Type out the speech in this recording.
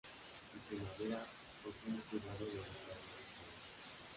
En primavera, con sumo cuidado de no dañar las raíces.